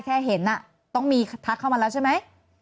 แค่เห็นต้องมีทักเข้ามาแล้วใช่ไหม